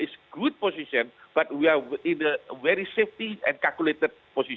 tapi kita berada di posisi yang sangat aman dan dikalkulasi